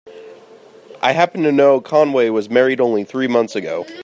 I happen to know Conway was married only three months ago.